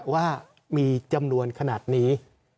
ว่ามีจำนวนขนาดนี้